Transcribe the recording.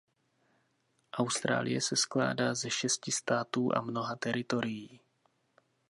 Austrálie se skládá ze šesti států a mnoha teritorií.